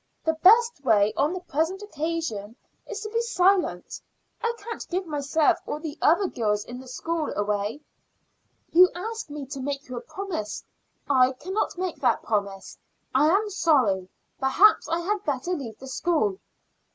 The best way on the present occasion is to be silent. I can't give myself or the other girls in the school away. You ask me to make you a promise. I cannot make that promise. I am sorry. Perhaps I had better leave the school."